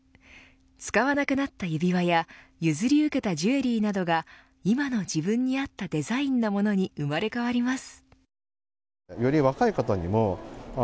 使わなくなった指輪や譲り受けたジュエリーなどが今の自分に合ったトヨタイムズの富川悠太です